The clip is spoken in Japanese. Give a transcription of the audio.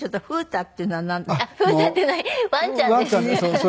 颯太っていうのはワンちゃんです。